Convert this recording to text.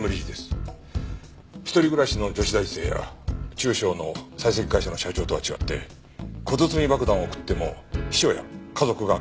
一人暮らしの女子大生や中小の採石会社の社長とは違って小包爆弾を送っても秘書や家族が開けるかもしれません。